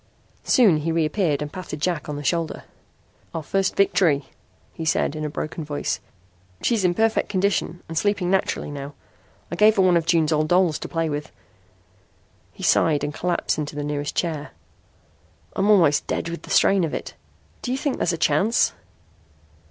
Soon he reappeared and patted Jack on the shoulder. "Our first victory," he said in a broken voice. "She's in perfect condition and sleeping naturally now. I gave her one of June's old dolls to play with." He sighed and collapsed into the nearest chair. "I'm almost dead with the strain of it. Do you think there's a chance?"